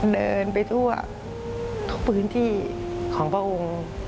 เดินไปทั่วทุกพื้นที่ของพระองค์